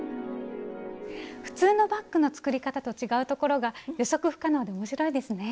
普通のバッグの作り方と違うところが予測不可能で面白いですね。